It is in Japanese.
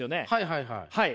はいはいはい。